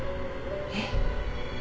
えっ？